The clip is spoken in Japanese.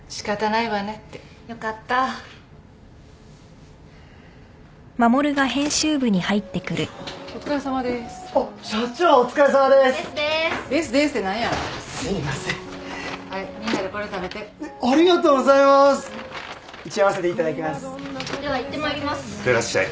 いってらっしゃい。